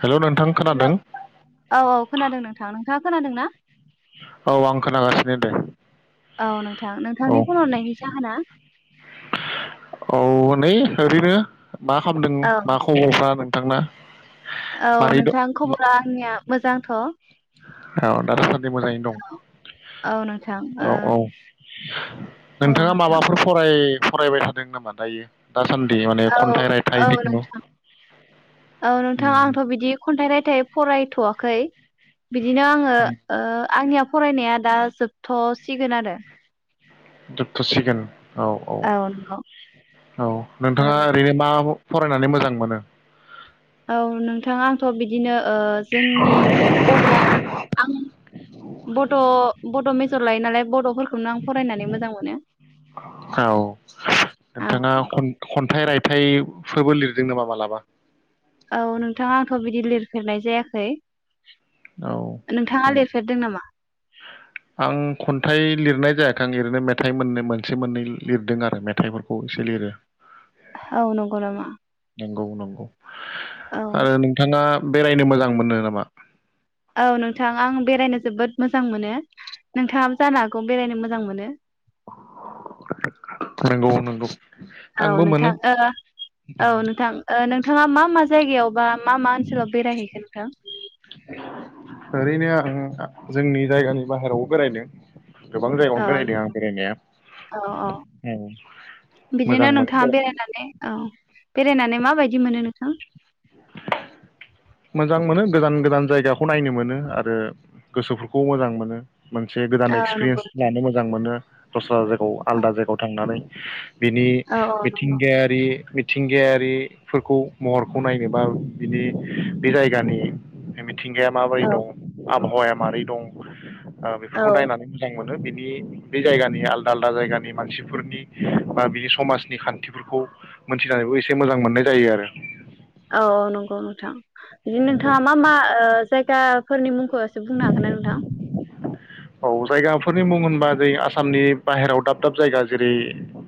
हेल' नोंथां हेल खोनादों औ औ खोनादों नोंथां नोंथाङा खोनादों ना? औ आं खोनागासिनो दे औ नोंथां औ नोंथांनि फन हरनायनि जाहोना औ नै ओरैनो मा खालामदों औ मा खबरफोरा नों थांना औ नोंथां खबरा आंनिया मोजांथ औ दा सान्दै मोजाङैनो दं औ नोंथां ओ औ औ [inaudible] औ नोंथाङा नोंथां माबाफोर फराय फरायबाय थादों नामा दायो दासान्दि माने औ खन्थाइ रायथाइ औ जिखुनु नोंथां औ उम नोंथां आंथ बिदि खन्थाइ राइथाय थाय फरायथवाखै बिदिनो आङो ओ आंनियाव फरायनाया दा जोबथसिगोन आरो जोबथसिगोन औ औ औ ओ नोंथाङा ओरैनो मा फरायनानै मोजां मोनो औ नोंथां आंथ बिदिनो ओ जोंनि बद आं बद मेज जर लायो नालाय बद औ औ नोंथाङा नंगौ खन्थाइ राय थाइफोरबो लिरदों नामा मालाबा औ नोंथाङा आंथ' बिदि लिरफेरनाय जायाखै औ नोंथाङा नंगौ लिरफेरदों नामा? आं खन्थाइ लिरनाय जायाखै आं ओरैनो मेथाइ मोनै मोनसे मोननै लिरदों आरो मेथाइफोरखौ एसे लिरो औ नंगौ नामा? नंगौ नंगौ औ आरो नोंथाङा बेरायनो मोजां मोनो नामा? औ नोंथां आं बेरायनो जोबोद मोजां मोनो । नोंथाङाबो जानो हागौ बेरायनो मोजां मोनो । [inaudible] नंगौ नंगौ औ आंबो मोनो नोंथां ओ औ नोंथां ओ नोंथाङा मा मा ज जायगायाव बा मा मा ओनसोलाव बेरायहैखो नोंथां? ओरैनो आं जोंनि जायगानि बाहेरावबो बेरायदों। गोबां जायगायावनो औ बेरायदों आं बेरायनाया। औ औ ओम बिदिनो मोजां मोनो नोंथाङा बेराय बेरायनानै औ बेरायनानै माबायदि मोनो नोंथां? मोजां मोनो गोजान गोजान जायगाखौ नायनो मोनो आरो गोसोफोरखौ मोजां मोनो। मोनसे गोदान औ नंगौ एक्सपिरियेन्स लानो मोजां मोनो दस्रा जाय खौ औ आलदा जायगायाव थांनानै बिनि औ मिथिंगायारि मिथिंगायारि फोरखौ महरखौ नायनो बा बिनि बे जायगानि हामिन मिथिंगाया माबोरै औ दं? आबहावाया मारै दं? ओ बेफोरखौ औ नायनानै मोजां मोन बिनि बे जायगानि आलदा आलदा जायगानि मानसिफोरनि बा बिनि समाजनि खान्थिफोरखौ मोनथिनानैबो एसे मोजां मोननाय जायो आरो । औ औ नंगौ नोंथां बिदिन नंगौ नोंथाङा मा मा जायगाफोरनि मुंख बुंनो हागोन ना नोंथां? औ जायगाफोरनि मुं होनबा जों आसामनि बाहेरायाव दाब दाब जायगा जेरै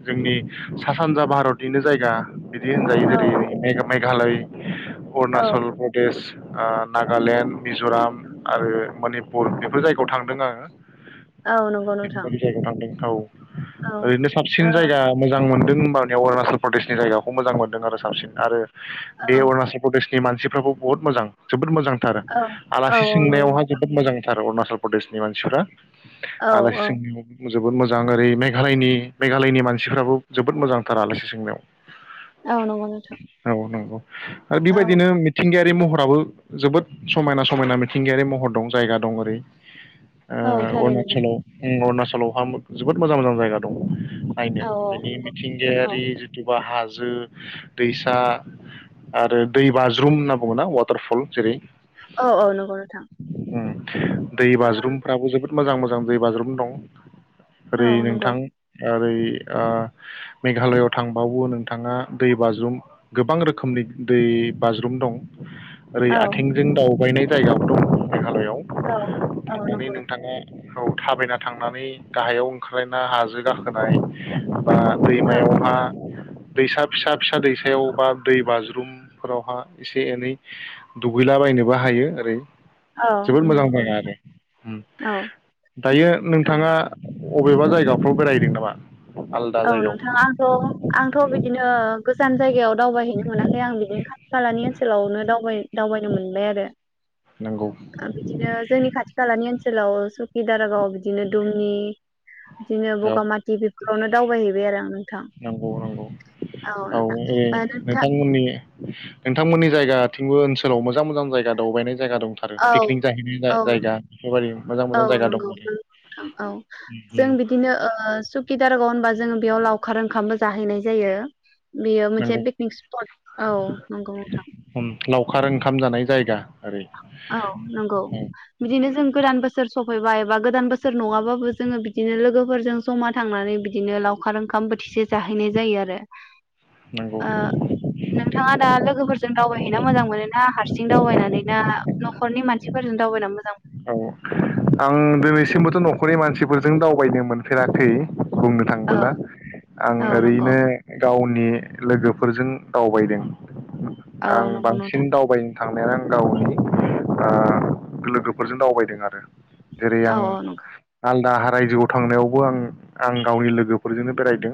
जोंनि सा सानजा भारतनिनो जायगा बिदि होजायो जेरै औ जाग मेघालय औ अरुनासल प्रदेस ओ नागालेण्ड मिज'राम आरो मनिपुर बेफोर जायगायाव थांदों आं हा औ नंगौ नोंथां औ थांदों औ ओरैनो ओ साबसिन जायगा मोजांमोन दों होनबानिया अरुणाचल प्रदेशनि जायगाखौ मोजां मोनदों आरो साबसिन आरो औ बे अरुणाचल प्रदेश नि मानसिफ्राबो बहुद मोजां जोबोद मोजां। थार औ औ आलासि नंगौ सोंनायावहाय नोंथां जोबोद मोजांथार अरुनाचल चल प्रदेश नि मानसिफोरा औ आलासि औ सोंनायावबो मोज जोबोद मोजां ओरै मेघालयनि मेघालयनि मानसिफ्राबो जोबोद मोजांथार आलासि सोंनायाव। औ नोंगौ नोंथां। ओ औ बेबायदिनो मिथिंगाया रि महराबो जोबोद समायना समायना मिथिंगायारि महर दं जायगा दं। ओरै ओ औ थारैनो नंगौ अरुणाचलाव उम अरुणाच लावहा जोबोद मोजां मोजां जायगा दं। नायनो औ औ बिनि नंगौ औ मिथिंगायारि जिथुबा हाज जो दैसा आरो दैबाज्रुम होनना बुङोना वाटारफल जेरै औ औ नंगौ नोंथां [unintelligible] दै बाज्रुम जोबोद मोजां मोजां दै बाज्रुम दं। ओ, ओरै औ नंगौ नोंथां ओरै ओ मेघालयआव थांबावो नोंथाङा दै बाज्रुम गोबां रोखोमनि दै बाज्रुम दं। ओरै औ आथिंजों दावबायनाय जायगाबो दं। मेघालयआव औ औ थांनानै नंगौ नों औ थाबायना थांनानै गाहायाव ओंख्रायना हाजो गाखोनाय। बा औ दैमायावहा दैसा फिसा फिसा दैसायाव बा दै बाज्रुमफोरावहा एसे एनै दुगैलाबायनोबो हायो। ओरै औ जोबोद मोजां नंगौ जायगा नोंथां आरो उम। औ दायो ओ, नोंथाङा अबेबा जायगाफ्राव बेरायहैदों नामा। आलदा औ जायगायाव नोंथां आंथ' आंथ बिदिनो गोजान जायगायाव दावबायहैनो मोनाखै आं बिदिनो खा खालानि ओनसोलावनो दावबाय दावबायनो मोनबाय आरो नंगौ ओ बिदिनो जोंनि खाथि खालानि ओन ओनसोलाव सुखि दारागाव बिदिनो दुमनि बिदिनो बगामाथि बेफोरावनो दावबाहैबाय आरो आं नोंथां नगौ नंगौ औ नोंथां ए ओ नोंथां नोंथांमोननि नोंथांमोननि जायगा थिंबो ओनसोलाव मोजां मोजां जायगा दावबायनाय जायगा दंथारो औ पिकनिक जाहैनाय औ जायगा बेफोरबायदि मोजां औ मोजां जायगा नंगौ दं आरो नोंथां औ उम जों उम बिदिनो ओ सुकि दारगाव होनबा जोङो बेयाव लावखार ओंखामबो जाहैनाय जायो। बेयो नंगौ मोनसे पिकनिक स्पट औ नंगौ नोंथां। उम लावखार ओंखाम [unintelligible] औ नंगौ औ बिदिनो जों गोदान बोसोर सफैबा एबा गोदान बोसोर नङाबाबो जोङो बिदिनो लोगोफोरजों जमा थांनानै बिदिनो लावखार ओंखाम बोथिसे जाहैनाय जायो आरो। नंगौ ओ नोंथाङा दा लोगोफोरजों दावबायहैना मोजां मोनोना हारसिं दावबायनानै। न'खरनि मानसिफोरजों दावबायना मोजां मोनो? औ आं दिनैसिमबोथ न'खरनि मानसिफोरजों दावबायनो मोनफेराखै। बुंनो औ थांबोला आं औ नंगौ ओरैनो गावनि नि लोगोफोरजों दावबायदों। औ आं नंगौ बांसिन नोंथां दावबायनो थांनायानो आं गावनि ओ लोगो फोरजों दावबायदों आरो। जेरै औ आं औ नंगौ आलदा रायजोआव थांनायावबो आं आं गावनि लोगोफोरजोंनो बेरायदों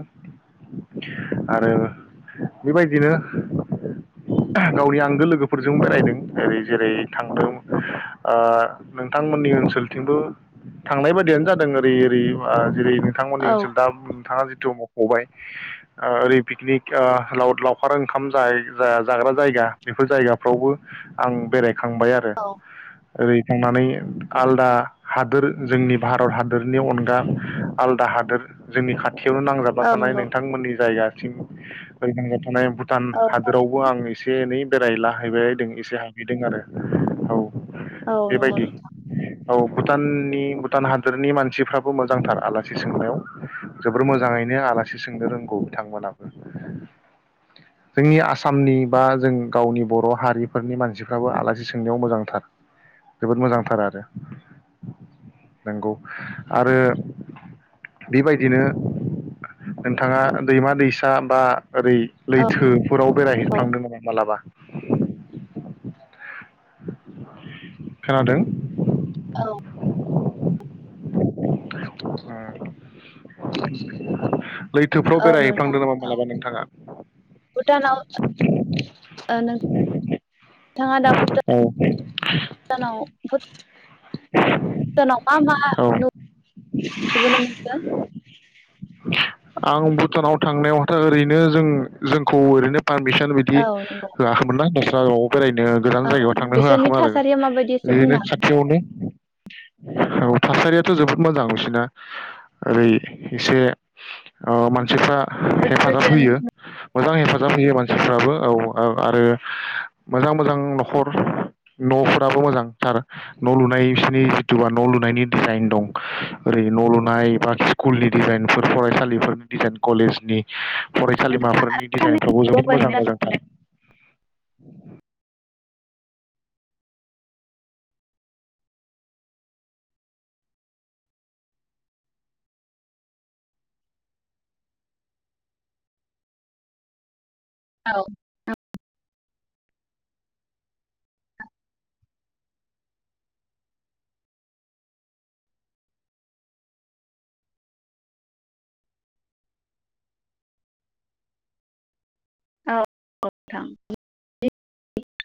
आरो बेबायदिनो गावनि आंगो लोगोफोरजों बेरायदों ओरै जेरै थांदों ओर नोंथांमोननि ओनसोलथिंबो थांनाय बायदियानो जादों ओरै ओरै जेरै नोंथांमोननि औ ओनसोल दा नोंथाङा जिथु ओरै पिकनिक ओ लाव लावखार ओंखाम जाय जाग्रा जायगा बेफोर जायगाफ्रावबो आं बेराय खांबाय आरो। औ ओरै थांनानै आलदा हादोर जोंनि भारत हादोरनि अनगा आलदा हादोर जोंनि खा थिआवनो औ नांजाबाथानाय नंगौ नोंथांमोननि जायगा । [inaudible] माने भुटान औ हादोरावबो आं एसे एनै। बेरायलाहैबायदों एसे हाबहैदों आरो औ। नंगौ बेबायदि। औ भुटाननि भुटान हादोरनि मानसिफ्राबो मोजांथार आलासि सोंनायाव जोबोर मोजाङैनो आलासि सोंनो रोंगौ बिथांमोनाबो जोंनि आसामनि बा जों गावनि बर' हारिफोरनि मानसिफ्राबो आलासि सोंनायाव मोजांथार। जोबोद मोजांथार आरो नंगौ आरो बेबायदिनो नोंथाङा दैमा दैसा बा ओरै लैथोफोराव औ बेरायहैफ्लांदों नामा मालाबा? खोनादों? औ [unintelligible] लैथोफ्राव औ नोंथां बेरायहैफ्लांदों नामा औ मालाबा नोंथाङा? भुटानाव ओ नोंथाङा दा औ भुटानाव भुटानाव मा मा औ नुबोनो मोनखो? आं भुटानाव थांनायावथ' ओरैनो जों जोंखौ ओरैनो पारमिसन बिदि औ नंगौ होआखैमोनना औ बेरायनो गोजान औ जायगायाव थांनो होआखैमोन बिसोरनि आरो थासारिया माबायदि एसे ओरैनो बुंनो हागोन खाथियावनो औ थासारियाथ' जोबोद मोजां बिसिना ओरै एसे ओ मान सिफ्रा जोबोद हेफाजाब गोजोन होयो। मोजां हेफाजाब होयो मानसिफ्राबो औ ओं आरो मोजां मोजां नखर न'फोराबो मोजांथार नलुनाय बिसोरनि जिथुबा नलुनायनि डिजाइन दं ओरै न'लुनाय बा स्कुलनि डिजाइनफोर फरायसालिफोरनि डिजाइन कलेजनि नोंथां फरायसालिमाफोरनि डिजाइनफ्रावबो साननैसो जोबोद मोजां दावबायहैनो सानदों मोजांथार। औ औ नोंथां [unintelligible]